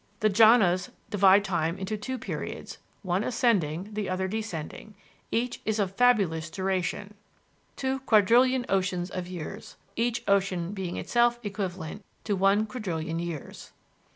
The Djanas divide time into two periods, one ascending, the other descending: each is of fabulous duration, 2,000,000,000,000,000 oceans of years; each ocean being itself equivalent to 1,000,000,000,000,000 years.